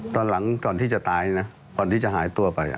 ตอนหลังก่อนที่จะตายนะก่อนที่จะหายตัวไป